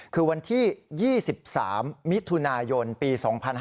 คือวันที่๒๓มิถุนายนปี๒๕๕๙